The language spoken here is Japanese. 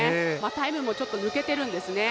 タイムもちょっと抜けてるんですね。